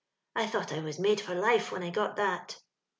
I thought I was made for life when I got that.